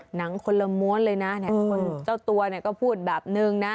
หนังคนละม้วนเลยนะเจ้าตัวเนี่ยก็พูดแบบนึงนะ